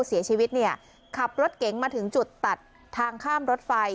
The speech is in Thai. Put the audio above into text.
เสียชีวิตเนี่ยขับรถเก๋งมาถึงจุดตัดทางข้ามรถไฟ